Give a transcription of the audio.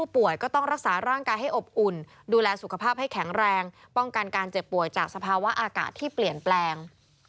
ป้องกันการเจ็บป่วยจากสภาวะอากาศที่เปลี่ยนแปลง